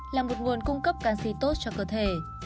là một nguồn cung cấp canxi tốt cho cơ thể